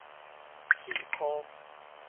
草莓